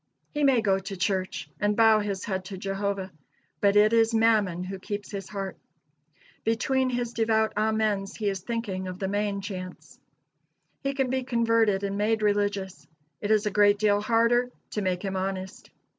He may go to church and bow his head to Jehovah, but it is Mammon who keeps his heart. Between his devout amens he is thinking of the main chance. He can be converted and made religious; it is a great deal harder to make him honest.